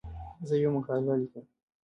زه یوه مقاله لیکم.